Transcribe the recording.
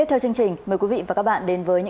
hãy đăng ký kênh để ủng hộ kênh của mình nhé